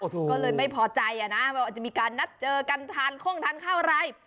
ก็เลยไม่พอใจว่าจะมีการนัดเจอกันทานข้งทานข้าวอะไร